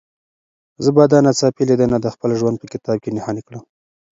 زه به دا ناڅاپي لیدنه د خپل ژوند په کتاب کې نښاني کړم.